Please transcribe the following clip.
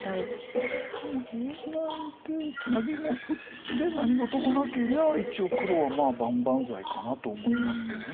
でもツナいでツナギも打って何事もなけりゃ一応黒はまあ万々歳かなと思いますけど。